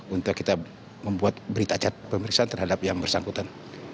untuk kita membuat berita acara pemeriksaan terhadap yang bersangkutan